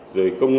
rồi công nghệ